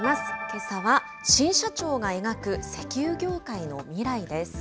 けさは、新社長が描く石油業界の未来です。